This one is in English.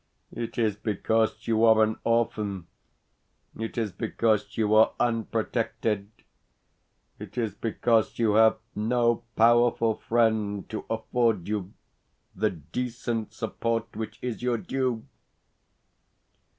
It is because you are an orphan, it is because you are unprotected, it is because you have no powerful friend to afford you the decent support which is your due.